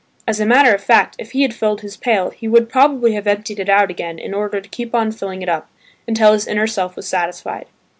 As a matter of fact, if he had filled his pail he would probably have emptied it out again in order to keep on filling it up until his inner self was satisfied.